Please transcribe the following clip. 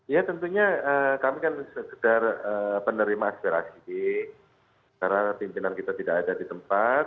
ya tentunya kami kan sekedar penerima aspirasi karena pimpinan kita tidak ada di tempat